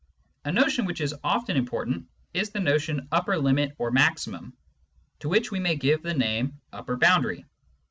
A notion which is often important is the notion " upper limit or maximum," to which we may give the name " upper boundary."